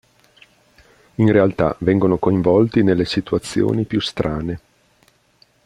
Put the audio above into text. In realtà vengono coinvolti nelle situazioni più strane.